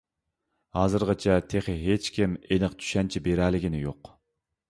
ھازىرغىچە تېخى ھېچكىم ئېنىق چۈشەنچە بېرەلىگىنى يوق.